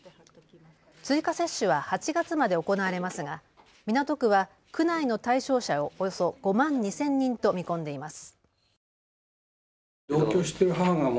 追加接種は８月まで行われますが港区は区内の対象者をおよそ５万２０００人と見込んでいます。